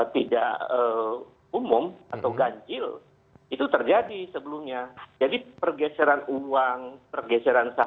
tidak umum atau ganjil itu terjadi sebelumnya jadi pergeseran uang pergeseran